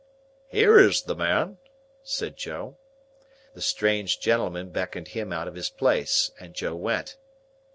"Here is the man," said Joe. The strange gentleman beckoned him out of his place, and Joe went.